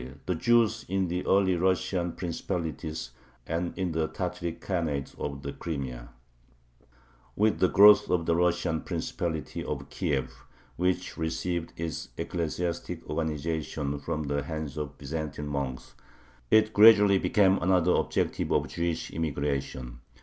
THE JEWS IN THE EARLY RUSSIAN PRINCIPALITIES AND IN THE TATARIC KHANATE OF THE CRIMEA With the growth of the Russian Principality of Kiev, which received its ecclesiastic organization from the hands of Byzantine monks, it gradually became another objective of Jewish immigration.